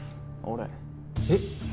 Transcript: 俺えっ？